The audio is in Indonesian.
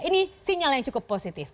ini sinyal yang cukup positif